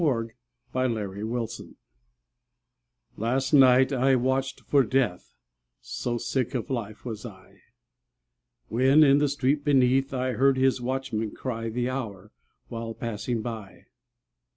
TIME AND DEATH AND LOVE. Last night I watched for Death So sick of life was I! When in the street beneath I heard his watchman cry The hour, while passing by.